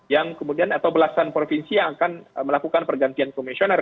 yang kemudian atau belasan provinsi yang akan melakukan pergantian komisioner